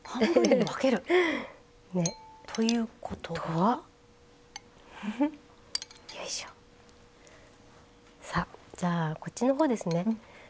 ということは？さあじゃあこっちの方ですね。